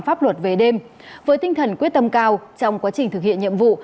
pháp luật về đêm với tinh thần quyết tâm cao trong quá trình thực hiện nhiệm vụ